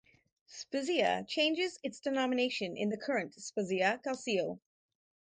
Spezia changes its denomination in the current "Spezia Calcio".